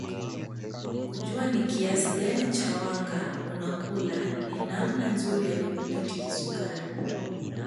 Kujua ni kiasi gani cha wanga unakula ni namna nzuri ya kudhibiti kisukari